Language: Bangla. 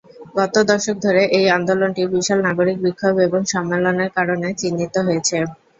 গত দশক ধরে এই আন্দোলনটি বিশাল নাগরিক বিক্ষোভ এবং সম্মেলনের কারণে চিহ্নিত হয়েছে।